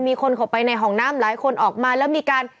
มีคนเข้าไปในห้องน้ำหลายคนออกมาแล้วมีการ